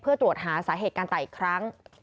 เพื่อตรวจหาสาเหตุการตายอีกครั้ง